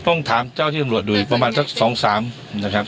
ต้องถามเจ้าที่ตำรวจดูอีกประมาณสัก๒๓นะครับ